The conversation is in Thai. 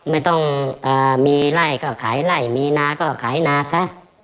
ไม่ต้องมีไล่ก็ขายไล่มีนาก็ขายนาซะ